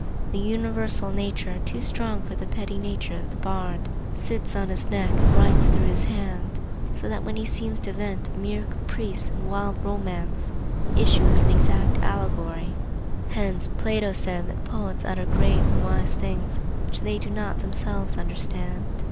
The universal nature, too strong for the petty nature of the bard, sits on his neck and writes through his hand; so that when he seems to vent a mere caprice and wild romance, the issue is an exact allegory. Hence Plato said that "poets utter great and wise things which they do not themselves understand."